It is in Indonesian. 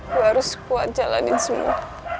gue harus kuat jalanin semua